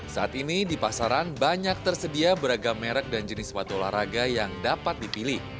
saat ini di pasaran banyak tersedia beragam merek dan jenis sepatu olahraga yang dapat dipilih